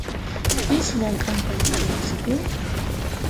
Pis llamk'anqa yachaywasipi?